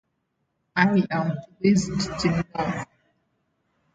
Certificate revocation has two main drawbacks.